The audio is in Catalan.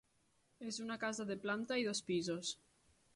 És una casa de planta i dos pisos.